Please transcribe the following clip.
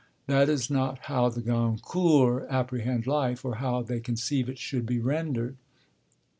That is not how the Goncourts apprehend life, or how they conceive it should be rendered.